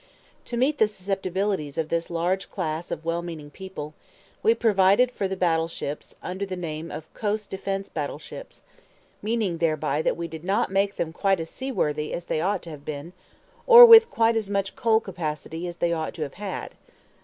To meet the susceptibilities of this large class of well meaning people, we provided for the battle ships under the name of "coast defense battle ships"; meaning thereby that we did not make them quite as seaworthy as they ought to have been, or with quite as much coal capacity as they ought to have had.